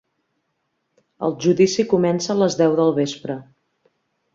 El judici comença a les deu del vespre.